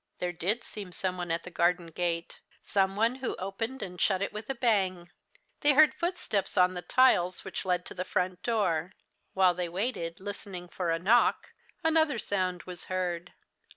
There did seem some one at the garden gate, some one who opened and shut it with a bang. They heard footsteps on the tiles which led to the front door. While they waited, listening for a knock, another sound was heard.